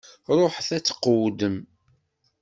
Ruḥet ad tqewwdem!